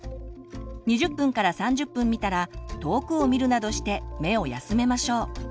２０３０分見たら遠くを見るなどして目を休めましょう。